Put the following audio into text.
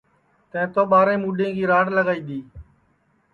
تیں تو ٻاریں موڈؔیں کی راڑ لگائی دؔی